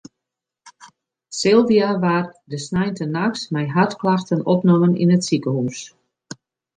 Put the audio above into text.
Sylvia waard de sneintenachts mei hartklachten opnommen yn it sikehûs.